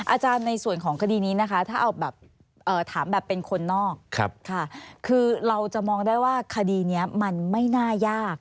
อาจารย์ในส่วนของคดีนี้นะคะถ้าเอาแบบถามแบบเป็นคนนอกค่ะคือเราจะมองได้ว่าคดีนี้มันไม่น่ายาก